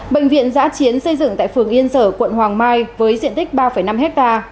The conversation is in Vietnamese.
bệnh viện giã chiến xây dựng tại phường yên sở quận hoàng mai với diện tích ba năm hectare